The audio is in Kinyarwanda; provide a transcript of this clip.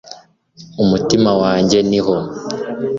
umutima wanjye niho